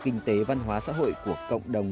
kinh tế văn hóa xã hội của cộng đồng